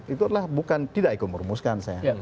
itu adalah bukan tidak ikut merumuskan saya